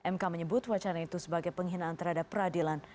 mk menyebut wacana itu sebagai penghinaan terhadap peradilan